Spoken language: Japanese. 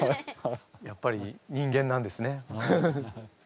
やっぱり人間なんですねフフフ。